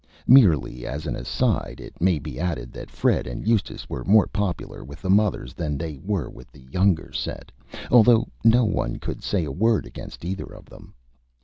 Merely as an aside it may be added that Fred and Eustace were more Popular with the Mothers than they were with the Younger Set, although no one could say a Word against either of them.